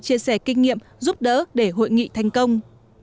chia sẻ kinh nghiệm giúp đỡ để hội nghị thành công